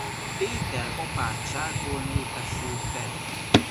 Péter-apátságból népesült be.